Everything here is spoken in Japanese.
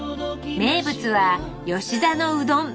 名物は「吉田のうどん」。